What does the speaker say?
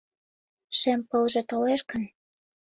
Шем пылже толеш гын